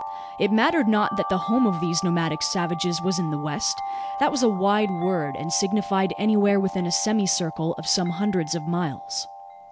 It mattered not that the home of these nomadic savages was in the west. That was a wide word; and signified anywhere within a semicircle of some hundreds of miles.